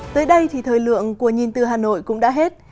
tới đây thì thời lượng của nhìn từ hà nội cũng đã hết